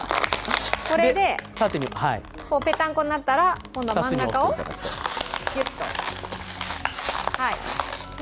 これでぺたんこになったら真ん中をぎゅっと。